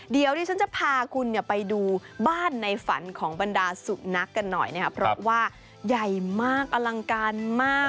เดี๋ยวดิฉันจะพาคุณไปดูบ้านในฝันของบรรดาสุนัขกันหน่อยนะครับเพราะว่าใหญ่มากอลังการมาก